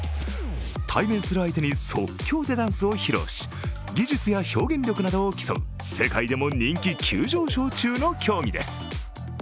対面する相手に即興でダンスを披露し、技術や表現力などを競う世界でも人気急上昇中の競技です。